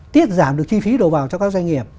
tiết giảm được chi phí đầu vào cho các doanh nghiệp